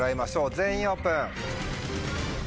全員オープン。